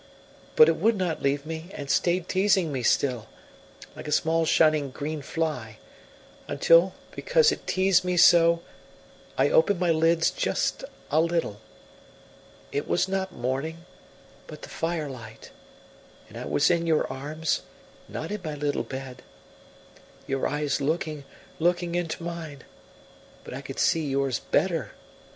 But it would not leave me, and stayed teasing me still, like a small shining green fly; until, because it teased me so, I opened my lids just a little. It was not morning, but the firelight, and I was in your arms, not in my little bed. Your eyes looking, looking into mine. But I could see yours better.